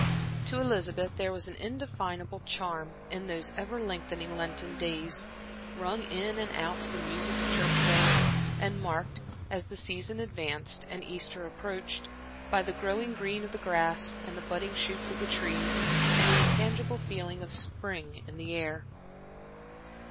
To Elizabeth there was an indefinable charm in those ever lengthening Lenten days, rung in and out to the music of church bells, and marked, as the season advanced and Easter approached, by the growing green of the grass, and the budding shoots of the trees, and the intangible feeling of spring in the air.